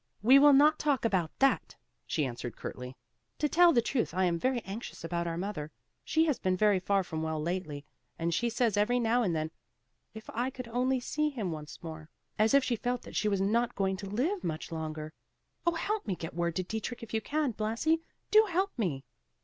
"We will not talk about that," she answered curtly. "To tell the truth, I am very anxious about our mother. She has been very far from well lately, and she says every now and then, 'If I could only see him once more!' as if she felt that she was not going to live much longer. Oh, help me get word to Dietrich if you can, Blasi! do help me!"